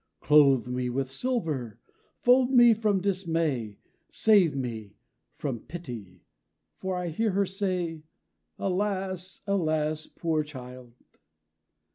Clothe me with silver; fold me from dismay; Save me from pity. For I hear her say, 'Alas, Alas, poor child!'